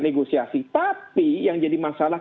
negosiasi tapi yang jadi masalah